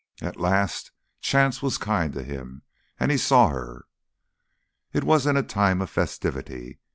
At last chance was kind to him, and he saw her. It was in a time of festivity.